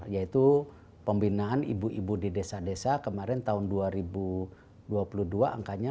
yaitu pembinaan ibu ibu di desa desa kemarin tahun dua ribu dua puluh dua angkanya